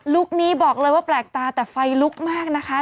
ลูกนี้บอกเลยว่าแปลกตาแต่ไฟลุกมากนะคะ